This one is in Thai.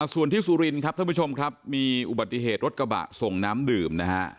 ส่วนที่สุรินครับท่านผู้ชมครับมีอุบัติเหตุรถกระบะส่งน้ำดื่มนะฮะ